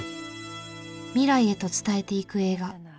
未来へと伝えていく映画。